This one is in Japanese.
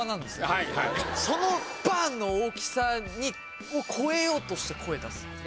はいはいそのバーン！の大きさを超えようとして声出すはず